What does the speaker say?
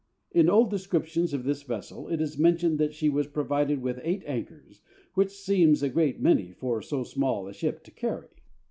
In old descriptions of this vessel it is mentioned that she was provided with eight anchors, which seems a great many for so small a ship to carry.